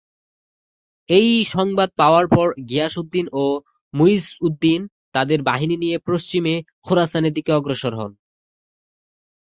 এই সংবাদ পাওয়ার পর গিয়াসউদ্দিন ও মুইজউদ্দিন তাদের বাহিনী নিয়ে পশ্চিমে খোরাসানের দিকে অগ্রসর হন।